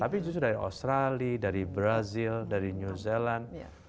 tapi justru dari australia dari brazil dari new zealand